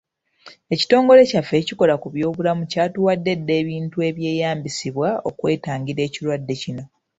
Ekitongole kyaffe ekikola ku by'obulamu kyatuwadde dda ebintu ebyeyambisibwa okwetangira ekirwadde kino.